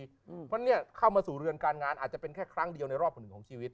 เพราะฉะนั้นเข้ามาสู่เรือนการงานอาจจะเป็นแค่ครั้งเดียวในรอบหนึ่งของชีวิต